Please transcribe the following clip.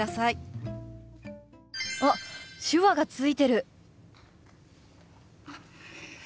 あっ手話がついてる！